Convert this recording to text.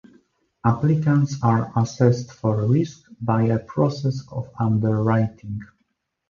Applicants are assessed for risk by a process of underwriting.